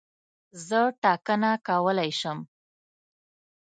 زه ټاکنه کولای شم.